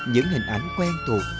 những hình ảnh quen thuộc